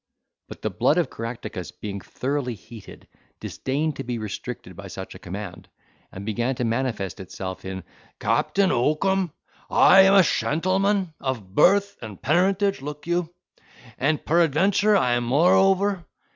But the blood of Caractacus being thoroughly heated, disdained to be restricted by such a command, and began to manifest itself in, "Captain Oakum, I am a shentleman of birth and parentage (look you), and peradventure I am moreover."